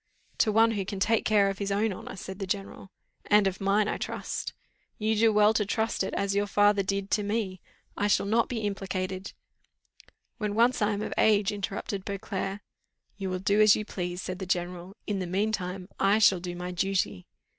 "To one who can take care of his own honour," said the general. "And of mine, I trust." "You do well to trust it, as your father did, to me: it shall not be implicated " "When once I am of age," interrupted Beauclerc. "You will do as you please," said the general. "In the mean time I shall do my duty."